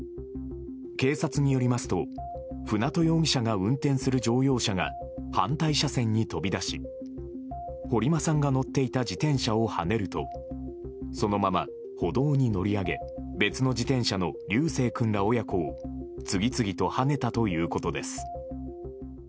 警察によりますと舟渡容疑者が運転する乗用車が反対車線に飛び出し堀間さんが乗っていた自転車をはねるとそのまま、歩道に乗り上げ別の自転車の琉正君ら親子を次々とはねたということです。